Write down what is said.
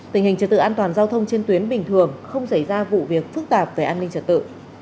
tình hình trật tự an toàn giao thông trên tuyến bình thường không xảy ra vụ việc phức tạp về an ninh trật tự